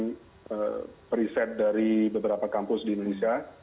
saya juga meneliti riset dari beberapa kampus di indonesia